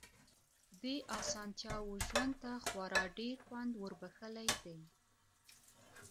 دې اسانتياوو ژوند ته خورا ډېر خوند وربښلی دی.